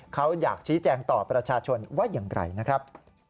เขาอยากชี้แจงต่อประชาชนว่าอย่างไรนะครับ